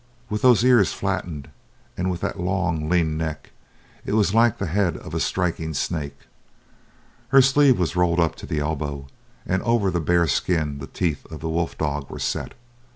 With those ears flattened, with that long, lean neck, it was like the head of a striking snake. Her sleeve was rolled up to the elbow, and over the bare skin the teeth of the wolf dog were set.